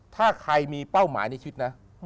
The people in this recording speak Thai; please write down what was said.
ถ้าใครมีเป้าหมายในชีวิตนะ